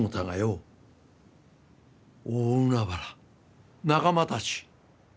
大海原仲間たち！